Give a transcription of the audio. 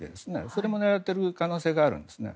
それも狙っている可能性があるんですね。